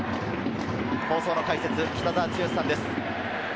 放送の解説は北澤豪さんです。